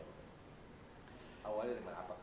awalnya apakah harus ada laporan dulu kah